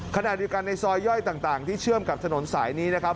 ขณะเดียวกันในซอยย่อยต่างที่เชื่อมกับถนนสายนี้นะครับ